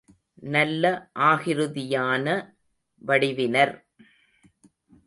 நல்ல ஆகிருதியான வடிவினர்.